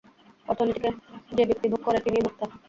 অর্থনীতিতে যে ব্যক্তি ভোগ করে তিনিই ভোক্তা।